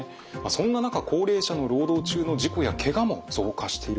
そんな中高齢者の労働中の事故やケガも増加しているということですね。